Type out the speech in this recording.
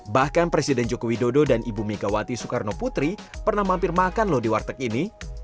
bahkan presiden joko widodo dan ibu megawati soekarno putri pernah mampir makan loh di warteg ini